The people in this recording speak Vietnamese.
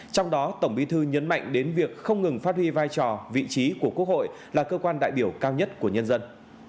trong đó tổng bí thư nhấn mạnh đến việc không ngừng phát huy vai trò vị trí của quốc hội là cơ quan đại biểu cao nhất của nhân dân